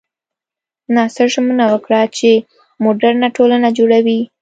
ناصر ژمنه وکړه چې موډرنه ټولنه جوړوي.